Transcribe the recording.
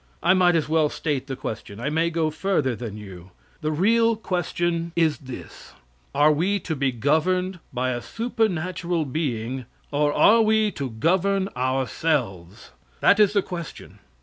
I might as well state the question I may go further than you. The real question is this: Are we to be governed by a supernatural being, or are we to govern ourselves? That is the question.